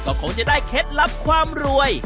ก็คงจะได้เคล็ดลับความรวย